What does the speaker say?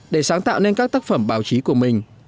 để sáng tạo nên các tác phẩm báo chí của mình